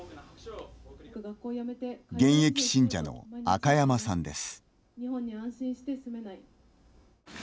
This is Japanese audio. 現役信者の赤山さんです。